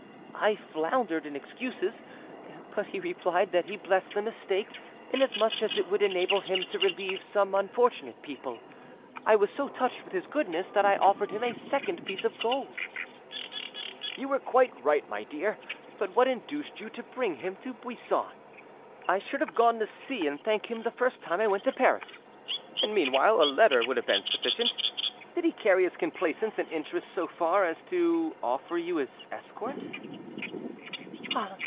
I floundered in excuses, but he replied that he blessed the mistake, inasmuch as it would enable him to relieve some unfortunate people. I was so touched with his goodness that I offered him a second piece of gold." "You were quite right, my dear; but what induced you to bring him to Buisson? I should have gone to see and thank him the first time I went to Paris, and meanwhile a letter would have been sufficient. Did he carry his complaisance and interest so far as to offer you his escort?"